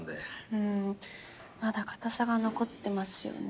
うんまだ硬さが残ってますよね。